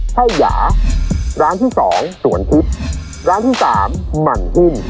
ปลอดภัย